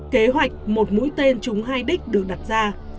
kế hoạch một mũi tên chúng hai đích được đặt ra